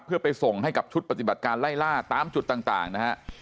เพื่อไปส่งให้กับชุดปฏิบัติการไล่ล่าตามจุดต่างนะฮะ